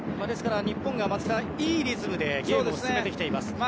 ですから日本がいいリズムでゲームを進めてきています。